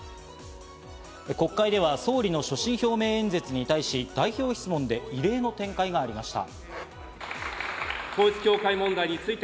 国会では総理の所信表明演説に対して代表質問で異例の展開がありました。